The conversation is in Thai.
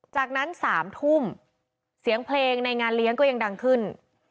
จากนั้น๓ทุ่มเสียงเพลงในงานเลี้ยงก็ยังดังขึ้น